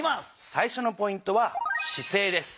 最初のポイントは「姿勢」です。